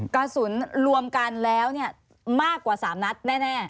กระสุนรวมกันแล้วมากกว่า๓นัดแน่